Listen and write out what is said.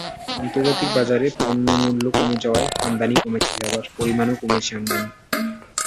আন্তর্জাতিক বাজারে পণ্য মূল্য কমে যাওয়ায় আমদানি কমেছে, আবার পরিমাণেও কমেছে আমদানি।